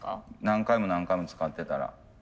何回も何回も使ってたら。